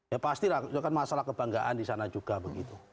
ya pastilah itu kan masalah kebanggaan di sana juga begitu